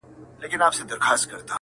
خر حیران وو چي سپی ولي معتبر دی!.